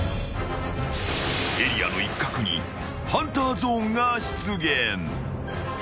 ［エリアの一角にハンターゾーンが出現］